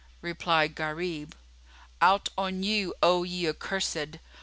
Replied Gharib, "Out on you, O ye accursed!